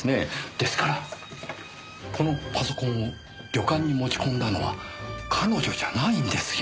ですからこのパソコンを旅館に持ち込んだのは彼女じゃないんですよ。